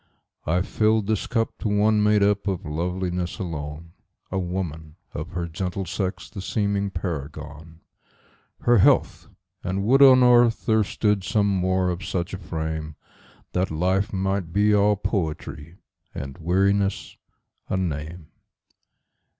I filled this cup to one made up of loveliness alone,A woman, of her gentle sex the seeming paragon—Her health! and would on earth there stood some more of such a frame, That life might be all poetry, and weariness a name.